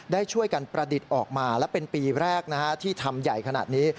ได้ช่วยกันประดิษฐ์ออกมาและเป็นปีแรกที่ทำใหญ่ขนาดนี้